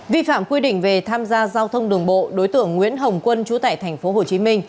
vi phạm quy định về tham gia giao thông đường bộ đối tượng nguyễn hồng quân chú tại tp hcm